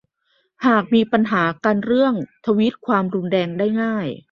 หากมีปัญหากันเรื่องจะทวีความรุนแรงได้ง่าย